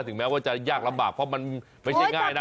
แม้ว่าจะยากลำบากเพราะมันไม่ใช่ง่ายนะ